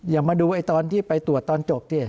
อย่ามาดูไอ้ตอนที่ไปตรวจตอนจบสิ